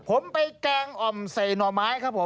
ผมไปแกงอ่อมใส่หน่อไม้ครับผม